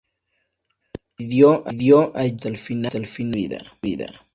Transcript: Residió allí hasta el final de su vida.